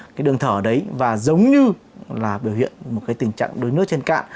cái đường thở đấy và giống như là biểu hiện một cái tình trạng đuối nước trên cạn